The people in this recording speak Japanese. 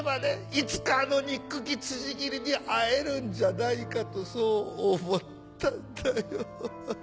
いつかあの憎き辻斬りに会えるんじゃないかとそう思ったんだよ。